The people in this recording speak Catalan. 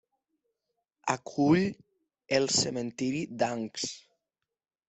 Acull el cementiri d'Ancs.